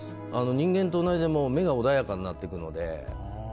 人間と同じで目が穏やかになってくので。